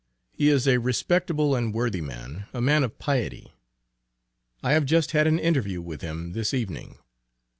He is a respectable and worthy man a man of piety. I have just had an interview with him this evening.